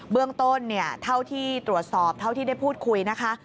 เบื้องต้นเนี่ยเท่าที่ตรวจสอบเท่าที่ได้พูดคุยนะคะ